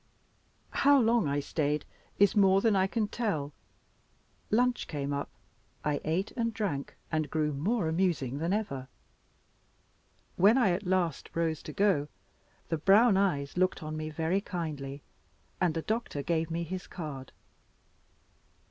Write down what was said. How long I stayed is more than I can tell. Lunch came up. I eat and drank, and grew more amusing than ever. When I at last rose to go, the brown eyes looked on me very kindly, and the doctor gave me his card.